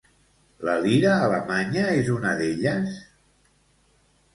La lira alemanya és una d'elles?